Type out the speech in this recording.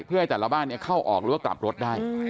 เพื่อให้แต่ละบ้านเข้าออกหรือว่ากลับรถได้